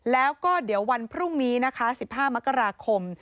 แล้วก็เดี๋ยววันพรุ่งนี้นะคะ๑๕มกราคม